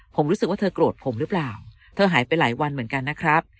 ผมรู้สึกว่าเธอโกรธผมหรือเปล่าเธอหายไปหลายวันเหมือนกันนะครับ